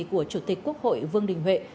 của chủ tịch quốc hội vương đình huệ